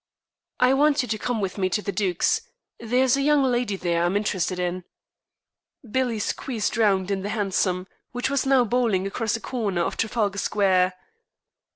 "I want you to come with me to the 'Duke's.' There's a young lady there I'm interested in." Billy squeezed round in the hansom, which was now bowling across a corner of Trafalgar Square.